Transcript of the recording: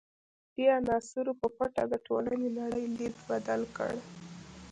دې عناصرو په پټه د ټولنې نړۍ لید بدل کړ.